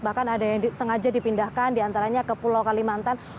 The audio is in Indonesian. bahkan ada yang sengaja dipindahkan diantaranya ke pulau kalimantan